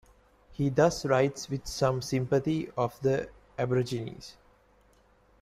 He thus writes with some sympathy of the Aborigines.